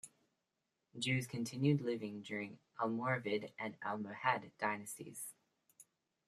Jews continued living during Almoravid and Almohad dynasties.